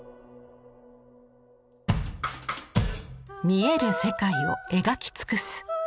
見える世界を描き尽くす。